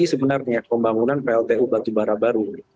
jadi sebenarnya pembangunan pltu batubara baru